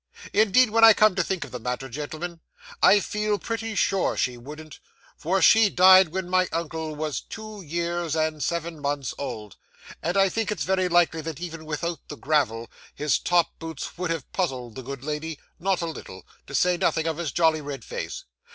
Indeed, when I come to think of the matter, gentlemen, I feel pretty sure she wouldn't, for she died when my uncle was two years and seven months old, and I think it's very likely that, even without the gravel, his top boots would have puzzled the good lady not a little; to say nothing of his jolly red face.